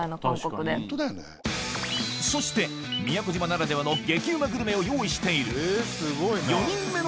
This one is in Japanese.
そして宮古島ならではの激うまグルメを用意している